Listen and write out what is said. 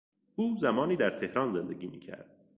او زمانی در تهران زندگی میکرد.